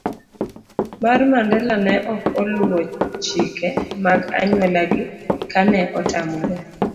C. mar Mandela ne ok oluwo chike mag anyuolagi kane otamore